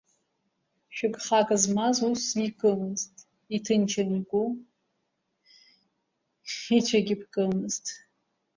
Шәы-гхак змаз усысгьы икымызт, иҭынчын игәы, ицәагьы ԥкымызт.